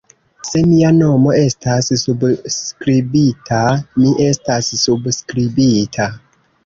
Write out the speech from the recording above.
Se mia nomo estas subskribita, mi estas subskribita.